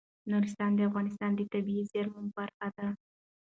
نورستان د افغانستان د طبیعي زیرمو برخه ده.